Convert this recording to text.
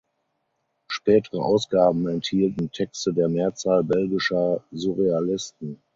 Spätere Ausgaben enthielten Texte der Mehrzahl belgischer Surrealisten.